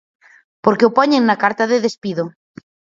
Porque o poñen na carta de despido.